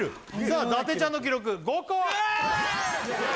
さあ伊達ちゃんの記録５個ウエーイ！